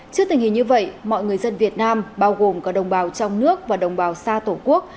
trước tình hình như vậy mọi người dân việt nam bao gồm cả đồng bào trong nước và đồng bào xa tổ quốc